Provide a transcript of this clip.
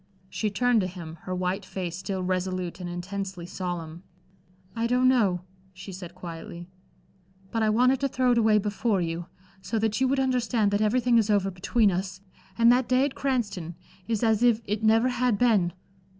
She turned to him, her white face still resolute and intensely solemn. "I don't know," she said, quietly, "but I wanted to throw it away before you, so that you would understand that everything is over between us, and that day at Cranston is as if it never had been.